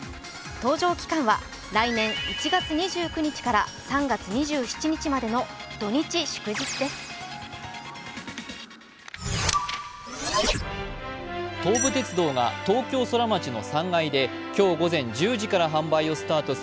搭乗期間は来年１月２９日から３月２７日までの土日祝日です。